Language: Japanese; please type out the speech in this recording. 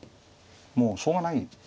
もうしょうがない。